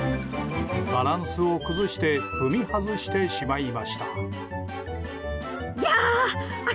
バランスを崩して踏み外してしまいました。